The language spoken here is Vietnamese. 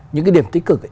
những cái điểm tích cực